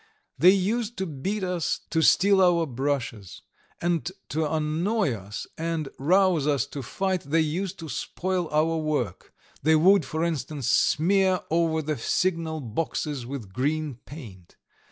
They used to beat us, to steal our brushes. And to annoy us and rouse us to fight they used to spoil our work; they would, for instance, smear over the signal boxes with green paint.